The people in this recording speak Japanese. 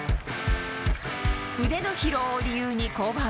腕の疲労を理由に降板。